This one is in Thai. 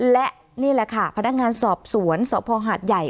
และนี่แหละค่ะพนักงานสอบสวนสพหาดใหญ่